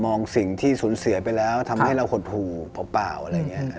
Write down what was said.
มองสิ่งที่สูญเสือไปแล้วครับทำให้เราหดหูเปล่าเปล่าอะไรอย่างเงี้ย